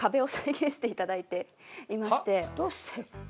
どうして。